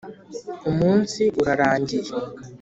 umunsi urarangiye,